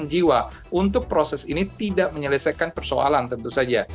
jiwa untuk proses ini tidak menyelesaikan persoalan tentu saja